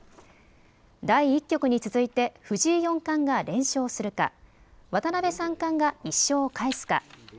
第１局に続いて藤井四冠が連勝するか渡辺三冠が１勝を返すか